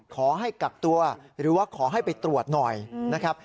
ขอให้กักตัวหรือว่าขอให้ไปตรวจหน่อยนะครับ